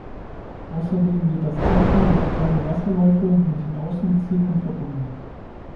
Außerdem wird das Zentrum durch kleine Wasserläufe mit den Außenbezirken verbunden.